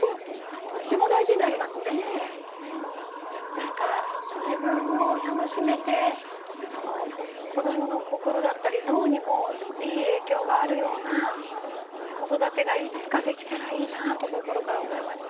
何か自分も楽しめてその子どもの心だったり脳にもいい影響があるような子育てがいつかできたらいいなと心から思いました。